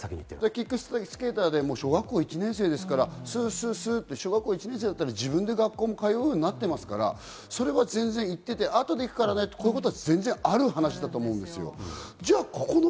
キックスケーターで小学校１年生ですから、スススっと小学校１年生なら自分で学校に通うようになっていますから、あとで行くからねって、こういうことは全然ある話だと思うんですよ。